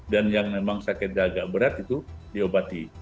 dan yang memang sakitnya agak berat itu diobati